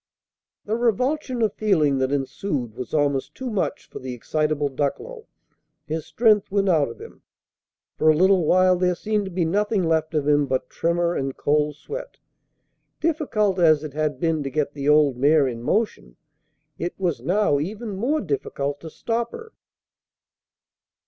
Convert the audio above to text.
The revulsion of feeling that ensued was almost too much for the excitable Ducklow. His strength went out of him. For a little while there seemed to be nothing left of him but tremor and cold sweat. Difficult as it had been to get the old mare in motion, it was now even more difficult to stop her.